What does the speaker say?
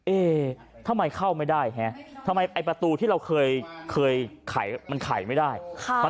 เอ๊ทำไมเข้าไม่ได้ฮะทำไมไอ้ประตูที่เราเคยไขมันไขไม่ได้